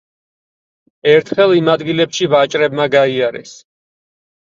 ერთხელ იმ ადგილებში ვაჭრებმა გაიარეს.